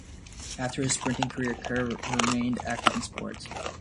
After his sprinting career, Kerr remained active in sports.